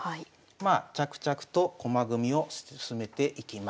まあ着々と駒組みを進めていきます。